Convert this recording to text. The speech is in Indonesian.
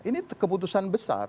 ini keputusan besar